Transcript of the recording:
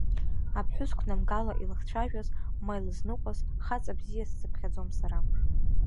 Аԥҳәыс қәнамгала илыхцәажәаз, ма илызныҟәаз, хаҵа бзиас дсыԥхьаӡом сара…